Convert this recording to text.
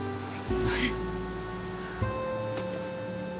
はい。